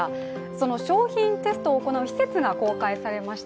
その商品テストを行う施設が公開されました。